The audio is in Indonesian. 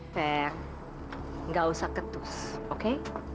kayak gak usah ketus oke